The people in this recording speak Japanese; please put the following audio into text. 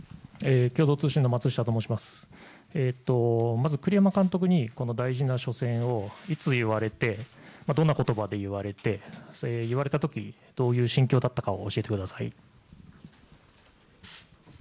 まず栗山監督に大事な初戦をいつ言われてどんな言葉で言われて言われた時どういう心境だったかを教えてください。